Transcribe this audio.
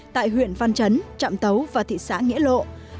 tại huyện văn chấn trạm tấu và thị xã nghĩa lộ